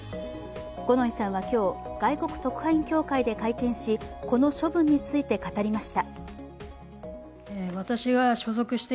五ノ井さんは今日、外国特派員協会で会見し、この処分について語りました。